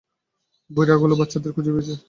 বুইড়াগুলো বাচ্চাদের খুঁজে পেয়েছে!